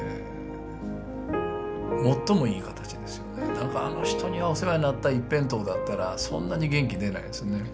なんかあの人にはお世話になった一辺倒だったらそんなに元気出ないですね。